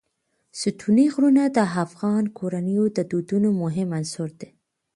ستوني غرونه د افغان کورنیو د دودونو مهم عنصر دی.